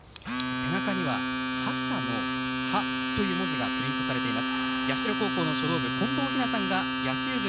背中には覇者の覇という文字がプリントされています